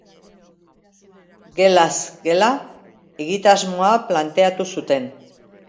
Gelaz gela egitasmoa planteatu zuten.